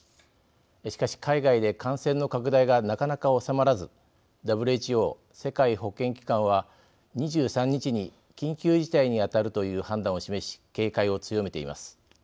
しかし、海外で感染の拡大がなかなか収まらずＷＨＯ、世界保健機関は２３日に緊急事態に当たるという判断を示し、警戒を強めています。